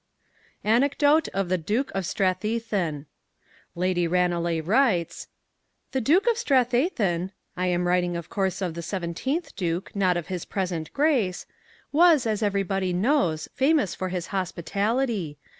ANECDOTE OF THE DUKE OF STRATHYTHAN Lady Ranelagh writes: "The Duke of Strathythan (I am writing of course of the seventeenth Duke, not of his present Grace) was, as everybody knows, famous for his hospitality.